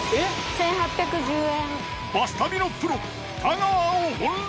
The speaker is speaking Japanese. １，８１０円。